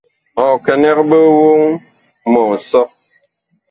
Ɔ kɛnɛg ɓe woŋ mɔ nsɔ.